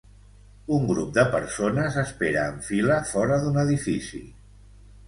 Un grup de persones espera en fila fora d'un edifici.